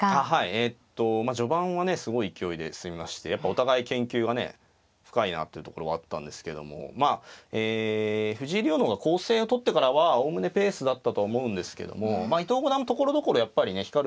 えっと序盤はねすごい勢いで進みましてやっぱお互い研究がね深いなっていうところはあったんですけどもまあ藤井竜王の方が攻勢をとってからはおおむねペースだったとは思うんですけどもまあ伊藤五段もところどころやっぱりね光る手はあったんですけどね